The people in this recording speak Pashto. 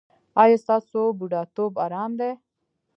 ایا ستاسو بوډاتوب ارام دی؟